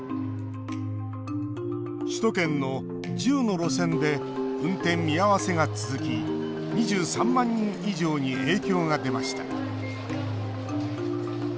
首都圏の１０の路線で運転見合わせが続き２３万人以上に影響が出ました。